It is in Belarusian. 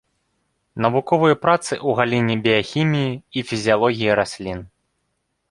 Навуковыя працы ў галіне біяхіміі і фізіялогіі раслін.